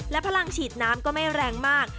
และพลังฉีดน้ำก็ไม่แรงมาก